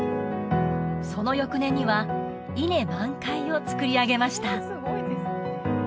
その翌年には伊根満開を造り上げました